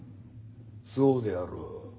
そうであろう。